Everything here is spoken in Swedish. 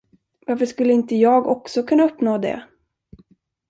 Varför skulle inte jag också kunna uppnå det?